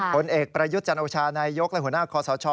ผลเอกประยุทธ์จันโอชานายยกและหัวหน้าคอสช